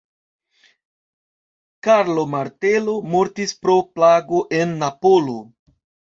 Karlo Martelo mortis pro plago en Napolo.